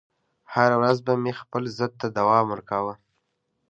هره ورځ به مې خپل ضد ته دوام ورکاوه